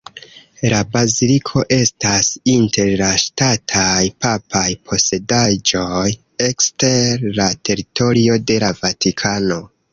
La baziliko estas inter la "ŝtataj papaj posedaĵoj ekster la teritorio de la Vatikano".